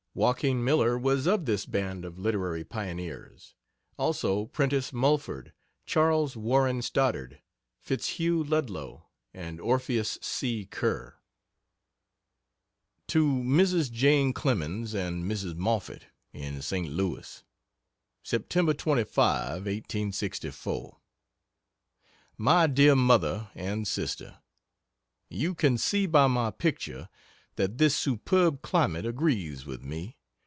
Joaquin Miller was of this band of literary pioneers; also Prentice Mulford, Charles Warren Stoddard, Fitzhugh Ludlow, and Orpheus C. Kerr. To Mrs. Jane Clemens and Mrs. Moffett, in St. Louis: Sept. 25, 1864. MY DEAR MOTHER AND SISTER, You can see by my picture that this superb climate agrees with me.